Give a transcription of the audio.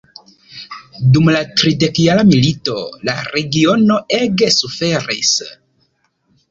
Dum la tridekjara milito la regiono ege suferis.